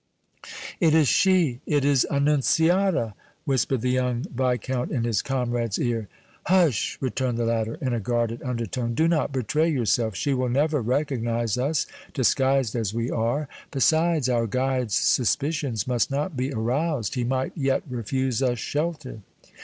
"It is she it is Annunziata!" whispered the young Viscount in his comrade's ear. "Hush!" returned the latter, in a guarded undertone. "Do not betray yourself! She will never recognize us, disguised as we are! Besides, our guide's suspicions must not be aroused! He might yet refuse us shelter!"